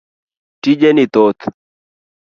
Tije ni thoth.